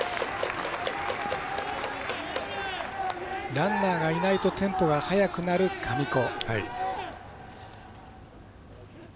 ランナーがいないとテンポが速くなる神子。